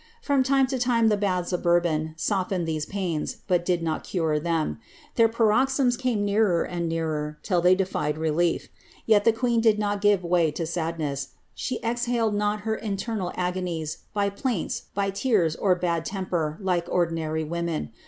From time to time the tMiths of Bourbon softened these pains, but could not cure them. Their paroxysms came nearer and nearer, till they defied relief. Yet the queen did not give way to sadness, she exiialed not her internal agonies by plaints, by tears, or bad temper, like ordinary women.